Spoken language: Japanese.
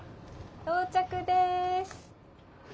到着です。